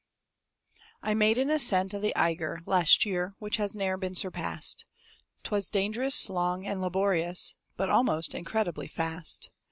I made an ascent of the Eiger Last year, which has ne'er been surpassed; 'Twas dangerous, long, and laborious, But almost incredibly fast.